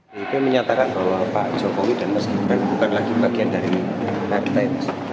pp menyatakan bahwa pak jokowi dan mas gibran bukan lagi bagian dari partai